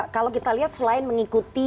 kalau kita lihat selain mengikuti